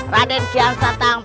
raden kian satang